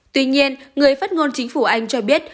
tuy nhiên người phát ngôn chính phủ anh cho biết